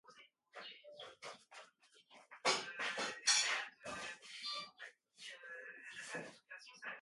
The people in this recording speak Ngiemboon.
Mé saŋ memdí epwɔʼ, ńgyá é gẅiin mentí tàa páʼ é lɔɔn ńgie é kɔ̌g, emie mé zsé.